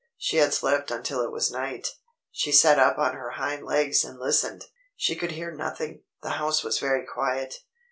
She had slept until it was night. She sat up on her hind legs and listened. She could hear nothing. The house was very quiet.